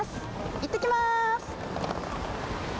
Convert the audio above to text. いってきまーす！